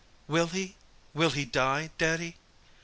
"Will he—will he die, Daddy?"